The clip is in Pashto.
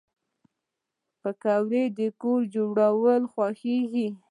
پکورې د کور جوړو خوښېږي